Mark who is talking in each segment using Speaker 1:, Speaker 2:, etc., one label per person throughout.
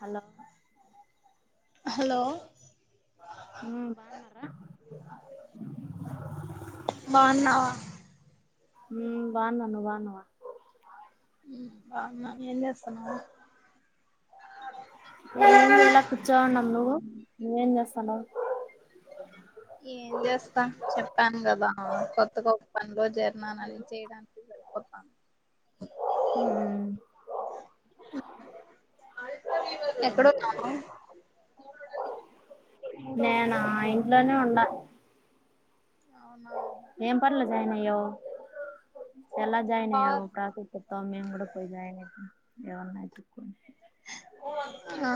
Speaker 1: Hello
Speaker 2: hello
Speaker 1: బాన్నావ మ్ బాన్నారా
Speaker 2: బాన్నావ
Speaker 1: మ్ బావున్న నువ్వు బాన్నావ
Speaker 2: బావున్నా ఏం జేస్తున్నావ్
Speaker 1: ఏం లే ఇలా కూర్చోని ఉన్నం నువ్వు నువ్వు ఏం జేస్తన్నావ్
Speaker 2: ఏం చేస్తా చెప్పాను కదా కొత్తగ ఒక పని లో జెరిన్నాను అని చేయడానికి చెప్పు అక్క
Speaker 1: మ్
Speaker 2: ఎక్కడ ఉన్నావు
Speaker 1: నేనా ఇంట్లోనే ఉండ
Speaker 2: అవునా
Speaker 1: ఏం పన్లో జాయిన్ అయ్యవ్ ఎలా జాయిన్ అయ్యవ్ ప్రాసెస్ చెప్తావ మేము కూడా పోయి జాయిన్ అయితం ఏవన్నా ఎతుకుని
Speaker 2: ఆ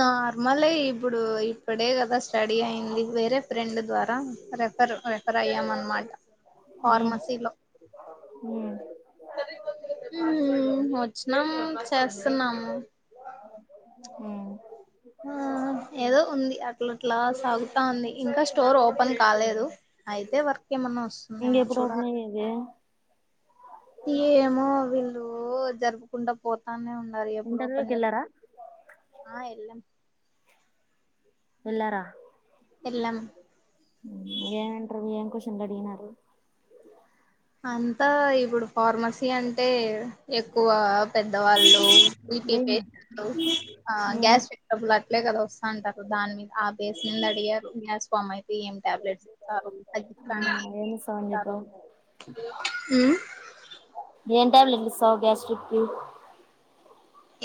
Speaker 2: నార్మలే ఇప్పుడు ఇప్పుడే కదా స్టడీ అయింది వేరే ఫ్రెండ్ ద్వారా రెఫర్ రెఫర్ అయ్యాం అనమాట
Speaker 1: మ్ మ్
Speaker 2: మ్ వచ్చినం చేస్తున్నాము
Speaker 1: హ్మ్
Speaker 2: ఆ ఏదో ఉంది అట్లా అట్లా సాగుతా ఉంది ఇంకా స్టోర్ ఓపెన్ కాలేదు అయితే వర్క్ ఎమన్న వ
Speaker 1: ఇంక ఎప్పుడు ఓపెన్ అయ్యేది
Speaker 2: ఏమో వీళ్ళు జరుపుకుంట పోతానే ఉన్నా న్నారు ఎప్పుడు
Speaker 1: ఇంటర్వ్యూకి
Speaker 2: ఓపెన్
Speaker 1: వెళ్ళారా
Speaker 2: చేస్తారో ఆ ఎళ్ళం
Speaker 1: ఎళ్ళర
Speaker 2: ఎల్లం
Speaker 1: ఏం ఇంటర్వ్యూ ఏం క్వ శ్చన్లు అడిగినారు.
Speaker 2: అంతా ఇప్పుడు ఫార్మసీ అంటే ఎక్కువ పెద్దవాళ్ళు బి పి పెసెంట్ లు ఆ
Speaker 1: ఉమ్
Speaker 2: గ్యాస్ట్రిక్ ట్రబుల ఇట్లే కద వస్తా అంటారు దాని మీద్ ఆ బేస్ నింద అడిగారు గ్యాస్ ఫామ్ అయితే ఏం టాబ్లెట్స్ ఇస్తారు అగ్గి కానీ
Speaker 1: సన్నిత
Speaker 2: ఆ
Speaker 1: ఏం ట్యాబ్లెట్లుస్తావు గ్యాస్ట్రిక్కిి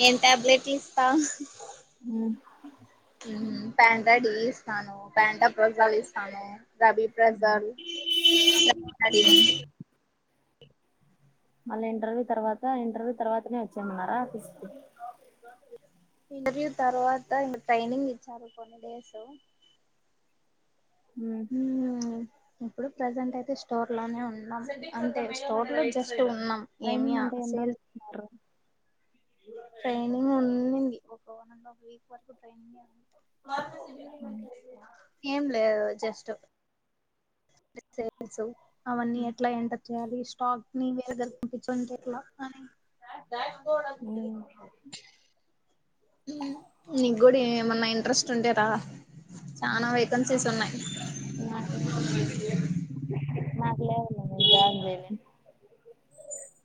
Speaker 2: ఏం ట్యాబ్లెట్ ప ద స్తను ప్యాంట ప్రజల్ ఇస్తాను రబీ ప్రెజల్
Speaker 1: మళ్ళా ఇంటర్వ్యూ తర్వాత ఇంటర్వ్యూ తర్వాతనే వచ్చామన్నారా ఆఫీస్కి
Speaker 2: ఇంటర్వ్యూ తర్వాత ఇం ట్రైనింగ్ ఇచ్చారు కొన్ని డేస్
Speaker 1: హమ్
Speaker 2: ఇప్పుడు ప్రెజెంట్ అయితే స్టోర్ లోనే ఉన్నాం అంటే స్టోర్ లో జస్ట్ ఉన్నాం
Speaker 1: ట్రైనింగ్
Speaker 2: ఏమియా
Speaker 1: అంటే ఎన్ని
Speaker 2: సేల్
Speaker 1: రోజులు
Speaker 2: ఏ లేదు ట్ అవన్నీ ఎట్లా ఎంటర్ చేయాలి బ్యాక్ కోడ్
Speaker 1: ఉ
Speaker 2: నీకు కూడా ఏమన్నా ఇంట్రెస్ట్ ఉంటే రా చానా వేకన్సీస్ ఉన్నాయి్
Speaker 1: నాకు నాకు జాయిన్ చేయలేన్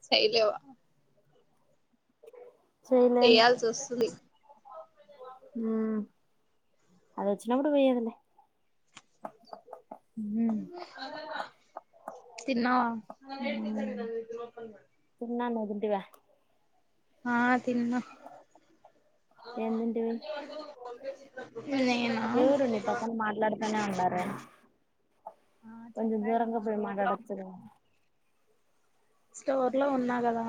Speaker 2: చేలేవా చేయాల్సి వస్తుంది
Speaker 1: ఊ అది వచ్చిన అప్పుడు పోయ్యదులే
Speaker 2: ఊ తిన్నావా
Speaker 1: తిన్నా నువ్వు తింటివా
Speaker 2: ఆ తిన్నా
Speaker 1: ఎం తింటివి
Speaker 2: నేనా
Speaker 1: ఎవరు నీ పక్కన మాట్లాడతనే ఉండారు
Speaker 2: ఆ
Speaker 1: కొంచం
Speaker 2: చెప్పా కదా
Speaker 1: దూరంగాపోయ
Speaker 2: స్టోర్ లో
Speaker 1: మాటలాడొచ్చుగా
Speaker 2: స్టోర్ లో ఉన్నా కదా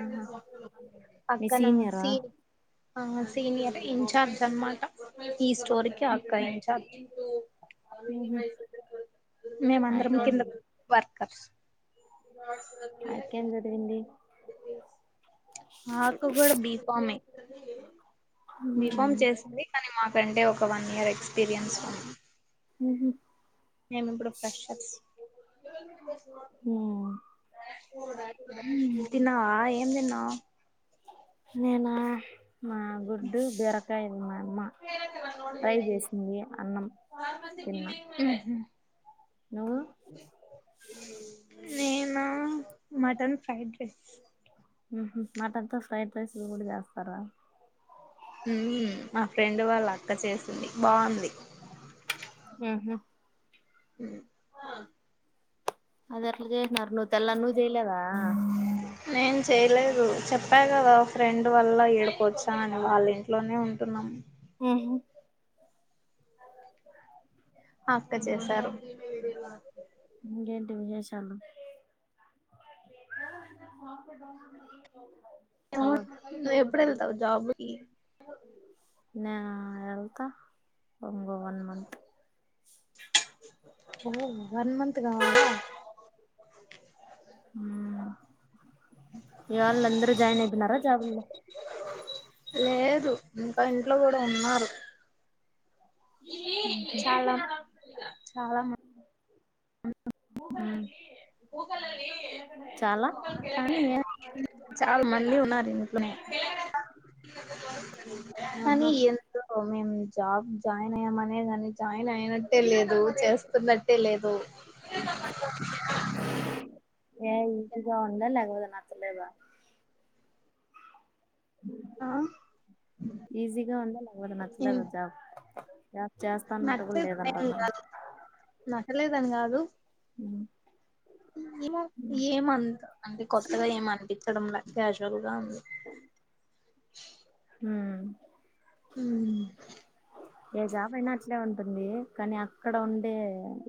Speaker 1: ఆహా మీ
Speaker 2: అక్కనా
Speaker 1: సీనియరా
Speaker 2: సి ఆ సీనియర్ ఇన్చార్జ్ అన్నమ్మాట ఈ స్టోరీకి అక్కయించార్జ్
Speaker 1: ఉహు
Speaker 2: మేమ అందరం
Speaker 1: ఆయక్కేం
Speaker 2: కింద
Speaker 1: జరిగింది
Speaker 2: వర్కర్స్
Speaker 1: ఆయక్కేం జరిగింది
Speaker 2: విత్తిన్స్ మాకు కూడా బిఫామే బిఫామ్
Speaker 1: ఉ
Speaker 2: చేసింది కానీ మాకు అంటే ఒక వన్ ఇయర్ ఎక్స్పీరియన్స్ ఉ
Speaker 1: ఉహు
Speaker 2: మేమి ఇప్పుడు ఫ్రెషర్స్
Speaker 1: ఉ
Speaker 2: తిన్నావా ఏం తిన్నా
Speaker 1: నేనా మా గుడ్డు బీరకాయలు మా అమ్మ ట్రై చేసింది అన్నం తిన్నా
Speaker 2: ఊహ
Speaker 1: నువ్వు
Speaker 2: నేనా మటన్ ఫ్రైడ్ రైస్
Speaker 1: మటన్తోో ఫ్రైడ్ రైస్ కూడా చేస్తారా
Speaker 2: మా ఫ్రెండ్ వాళ్ళు అక్క చేస్తుంది బాగుంది
Speaker 1: ఉహు
Speaker 2: ఉ ఆ
Speaker 1: అది అట్లా చేసన్నారు నువ్వు తెల్లా నువ్వు చెయలేదా
Speaker 2: చెప్పాయి కదా ఫ్రెండ్ వల్ల ఏడుపు వచ్చానని వాళ్ళ ఇంట్లోనే ఉంటున్నాము
Speaker 1: ఉహు
Speaker 2: అక్క చేశారు
Speaker 1: ఎం చేసాన్నవ్
Speaker 2: [unintelligible] నువ్ ఎప్పుడెళ్తావ్ జాబ్ కి
Speaker 1: నేనా వెళ్తా ఇంగో వన్ మంత్
Speaker 2: ఓ వన్ మంత్ కావాాల
Speaker 1: ఇయాల్లందరు జాయిన్ అయిపోనారా జాబ్ లో
Speaker 2: లేదు ఇంకా ఇంట్లో కూడా ఉన్నారు చాలా చాలా మం
Speaker 1: మ్మ్
Speaker 2: గూగలలీ
Speaker 1: చాలా
Speaker 2: కానీ చాలా మంది ఉన్నారు ఇంట్లోనే కానీ
Speaker 1: ఆహా
Speaker 2: ఎంతో మేమ్ జాబ్ జాయిన్ అయ్యామనే కాని జాయిన్ అయినట్టే లేదు చేస్తున్నట్టే లేదు
Speaker 1: ఏ ఈజీగా ఉందా, లేకపోతే నచ్చలేదా
Speaker 2: ఆ
Speaker 1: ఈజీగా ఉందా లేకపోతే నచ్చలదా జాబ్ చేస్తాన్నట్టు కూడా
Speaker 2: నచ్చట్ ఎం
Speaker 1: లేదంటన్నారు
Speaker 2: కాదు నచ్చలేదని కాదు ఏమో ఏమంత అంటే కొత్తగా ఏమ్ అనిపించడంలే క్యాజ్వలగా ఉంది
Speaker 1: మ్మ్ ఏ జాబ్ అయినా అట్లే ఉంటుంది కానీ అక్కడ ఉండే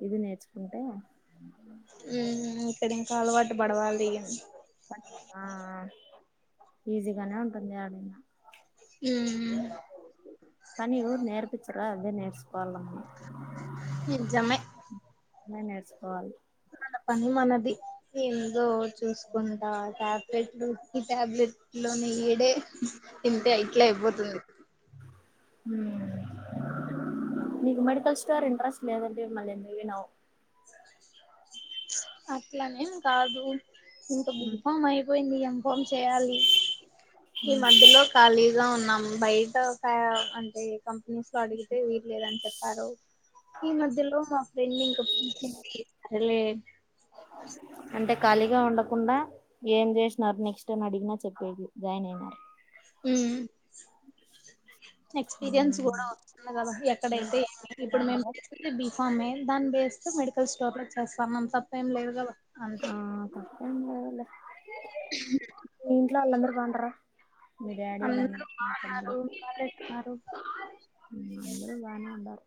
Speaker 1: ఇది నేర్చుకుంటే
Speaker 2: మ్మ్హ్ ఇక్కడ ఇంకా అలవాటు పడవాలి
Speaker 1: ఆ ఆ ఈజీగానే ఉంటుంది యడున్నా పనీ ఓరు నేర్పిించలే అదే నేర్చుకోవాల మనం
Speaker 2: నిజమే
Speaker 1: నే నేర్చుకోవాలి
Speaker 2: మన పని మనది ఏందో చూసుకుంటా ట్యాప్ బెట్లు ఈ టాబ్లెట్ లోనే ఈడే ఇంతే ఇట్లే అయిపోతుంది
Speaker 1: మ్మ్ నీకు మెడికల్ స్టోర్ ఇంట్రెస్ట్ లేదంటివి మళ్ళీ ఎందు వినవు [unintelligible] [inaudible]
Speaker 2: అట్లనేం కాదు ఇంకా బీ కాం అయిపోయింది ఎం కాం చేయాలి ఈ మధ్యలో ఖాళీగా ఉన్నాం బయట కా అంటే కంపెనీస్ లో అడిగితే వీల్ లేదని చెప్పారు ఈ మధ్యలో మా ఫ్రెడ్ ఇంకా [unintelligible] లే
Speaker 1: అంటే ఖాళీగా ఉండకుండా ఏం చేసినారు నెక్స్ట్ టైం అడిగినా చెప్పేది, జాయిన్ అయినారు
Speaker 2: మ్మ్ ఎక్స్పీరియన్స్
Speaker 1: ఉమ్
Speaker 2: కూడా వస్తుంది కదా, ఎక్కడైతే ఏం లే ఇప్పుడు మేమ్
Speaker 1: ఇంట్లో
Speaker 2: తిస్కుంది బి ఫార్మే దాన్ని బేస్తో మెడికల్ స్టోర్ లో చేస్తాన్నాం తప్పేం లేదు కదా అంతే
Speaker 1: ఎం కాదు లే
Speaker 2: [unintelligible] [inaudible]
Speaker 1: మీ ఇంట్లో వాళ్లాందరు బాగుంటర్రా మ్మ్
Speaker 2: అందరూ బాగున్నారు బాలేన్నారు
Speaker 1: అందరం బానే ఉండారు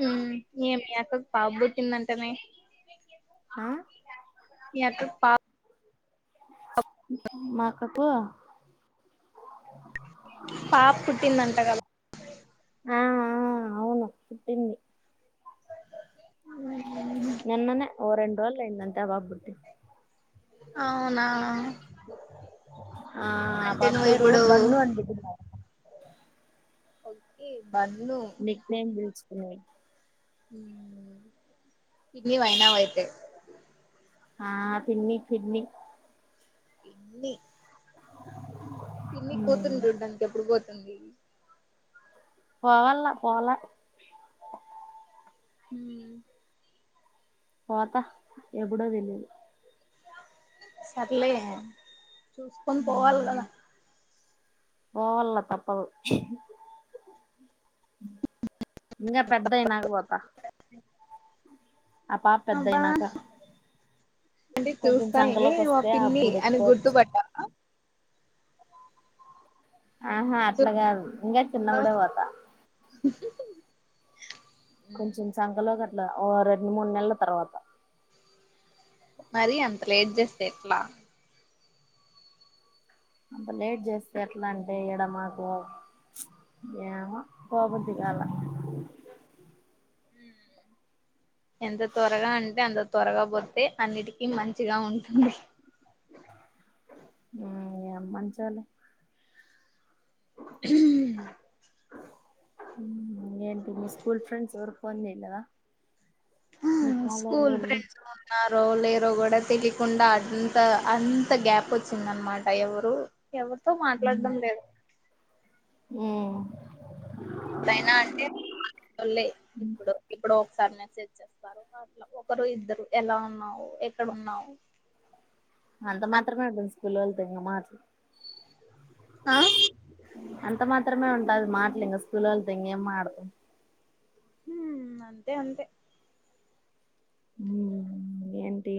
Speaker 2: మ్మ్ ఎం మీ అక్క కు పాప బుట్టిందంటనే
Speaker 1: ఆ
Speaker 2: మీ అక్కకు పాప్
Speaker 1: మా అక్కకు
Speaker 2: పాప పుట్టిందంట కదా
Speaker 1: ఆ ఆ అవును పుట్టింది మొన్న నే ఓ రెండు రోజులైంది అంతే ఆ పాప పుట్టి
Speaker 2: అవునా
Speaker 1: ఆ
Speaker 2: అంటే నువ్వు
Speaker 1: పప్పేరు
Speaker 2: ఇప్పుడు
Speaker 1: బన్ను అన్ పెట్టింద్ madam
Speaker 2: okay bun
Speaker 1: nickname పిలుచుకొని
Speaker 2: ఉమ్ కిడ్నీ వైనావయితే
Speaker 1: ఆ తిన్ని తిన్ని
Speaker 2: ఇన్ని కిన్ని
Speaker 1: ఉమ్
Speaker 2: కూతుర్నీ చూడ్డానికి ఎప్పుడు పోతుంది
Speaker 1: పోవలా పోలే
Speaker 2: ఉమ్
Speaker 1: పోత ఎప్పుడో తెలీదు
Speaker 2: సర్లే చూసుకొని పోవాలి కదా
Speaker 1: పోవల్ల తప్పదు ఇంగ పెద్దైయినాకపోత ఆ పాప్
Speaker 2: అబ్బా
Speaker 1: పెద్దైనాక
Speaker 2: అంటే చూస్తానే మా
Speaker 1: వస్తే
Speaker 2: పిన్ని
Speaker 1: అప్పుడు
Speaker 2: అని
Speaker 1: ఎక్కువచ్చు
Speaker 2: గుర్తుపట్టానా
Speaker 1: ఆహా అట్లాగాద్ ఇంగ చిన్నప్పుడే వోత కొంచం సంకలో గాట్లా ఓ రెండు మూడు నెల్ల తర్వాత
Speaker 2: మరీ అంత లేట్ చేస్తే ఎట్లా
Speaker 1: అంత లేట్ చేస్తా ఎట్లా అంటే ఈడ మాకు ఏమో పో బుద్ధి కాల
Speaker 2: ఉమ్ ఎంత త్వరగా అంటే అంత త్వరగా పోతే అన్నిటికీ మంచిగా ఉంటుందిహ్
Speaker 1: ఏం మంచోలే
Speaker 2: [unintelligible]
Speaker 1: మ్మ్ ఏంటి మీ స్కూల్ ఫ్రెండ్స్ ఎవరు ఫోన్ జేయలేదా నిక్
Speaker 2: స్కూల్ ఫ్రెండ్స్ ఉన్నారో లేరో కూడా తెలికుండా అంత అంత గ్యాప్ ఒచ్చింద్న్మాట ఎవరు ఎవరితో మాట్లాడ్డం లేదు
Speaker 1: ఉమ్
Speaker 2: బైనా అంటే లోళ్ళే ఇప్పుడు ఎప్పుడో ఒకసారి మేసెజ్ చేస్తారు అట్ల ఒకరు ఇద్దరు ఎలా ఉన్నావు ఎక్కడున్నావు
Speaker 1: అంత మాత్రమే అంటుంది స్కూల్లో వాళతో ఇంగ మాట్ల్
Speaker 2: ఆహ్
Speaker 1: అంత మాత్రమే ఉంటది మాట్ల్ ఇంగ స్కూల్ ఓళ్లతో ఏం మాట్లాడ్తం
Speaker 2: ఉమ్ అంతే అంతే
Speaker 1: మ్మ్ ఏంటి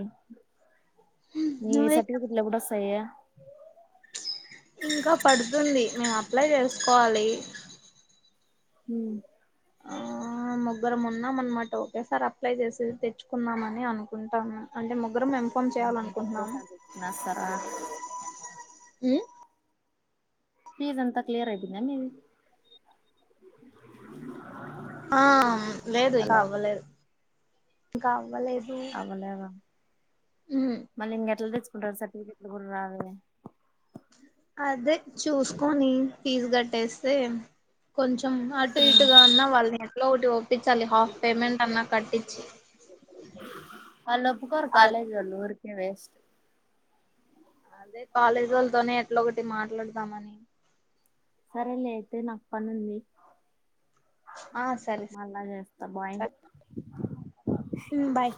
Speaker 1: మీ
Speaker 2: నువ్వే
Speaker 1: సర్టిఫికెట్లో కూడ సయ్య
Speaker 2: ఇంకా పడుతుంది మేం అప్లై చేసుకోవాలి
Speaker 1: మ్మ్
Speaker 2: ఆ ముగ్గురం ఉన్నాం అన్మాట ఓకే సార్ అప్లై చేసేత్తె చుకున్నామని అనుకుంటాము అంటే ముగ్గురం ఇన్ఫామ్ చేయాలనుకుంటున్నం
Speaker 1: ఒకేసారి తెచ్చుకునేస్తారా
Speaker 2: ఉమ్
Speaker 1: ఫీజ్ అంత క్లియర్ అయిపోయిందా మీది
Speaker 2: ఆ లేదు ఇంకా
Speaker 1: హలో
Speaker 2: అవ్వలేద్ ఇంకా అవ్వలేదు
Speaker 1: అవ్వలేదా
Speaker 2: హ్మ్
Speaker 1: మళ్ళీ ఇంకెట్లా తెచ్చుకుంటారు సర్టిఫికెట్లు కూడా రాలే
Speaker 2: అదే చూస్కోని ఫీజు కట్టేస్తే కొంచం అటు ఇటుగా ఉన్నా వాళ్ళని ఎట్లా ఒకటి ఒప్పించాలి హాఫ్ పేమెంట్ అన్నా కట్టించి
Speaker 1: వాళ్ళోప్పుకోరు కాలేజ్ వోళ్ళుఊరికే వేస్ట్
Speaker 2: అదే కాలేజోల్తోని ఎట్ల ఒకటి మాట్లాడతామని
Speaker 1: సరే లే అయితే నాక్ పనుంది
Speaker 2: ఆ సరే
Speaker 1: మల్లా చేస్తా బాయ్
Speaker 2: సరే బాయ్